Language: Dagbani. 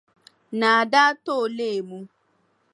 Naa daa ti o leemu.